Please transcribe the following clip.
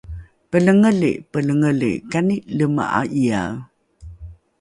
Pelengeli, Pelengeli, kani lema'a'iyae?